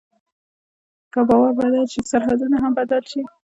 که باور بدل شي، سرحد هم بدل شي.